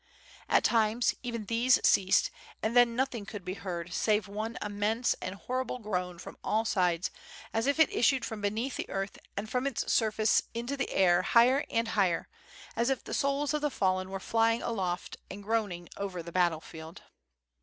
At times even these ceased and then nothing could be heard save one immense and horrible groan from all sides as if it issued from beneath the earth and from its surface into the air higher and higher as if the souls of the fallen were flying aloft and groaning over the battle field.